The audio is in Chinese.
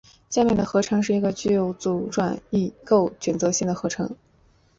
下面的合成是一个具有阻转异构选择性的合成。